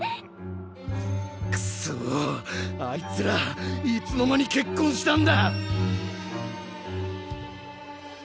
クソあいつらいつの間にけっこんしたんだ。